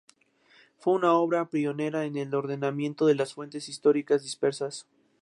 Fue una obra pionera en el ordenamiento de las fuentes históricas dispersas.